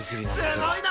すごいな！